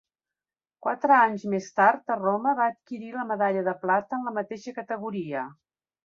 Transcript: Quatre anys més tard a Roma va adquirir la medalla de plata en la mateixa categoria.